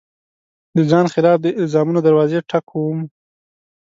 د ځان خلاف د الزامونو دروازې ټک وم